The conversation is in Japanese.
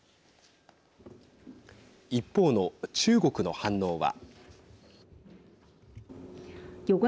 一方の中国の反応は。